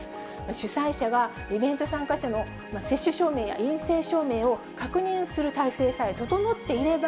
主催者はイベント参加者の接種証明や陰性証明を確認する体制さえ整っていれば、